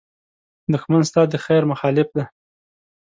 دښمن ستا د خېر مخالف دی